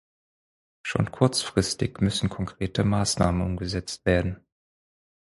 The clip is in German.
Schon kurzfristig müssen konkrete Maßnahmen umgesetzt werden.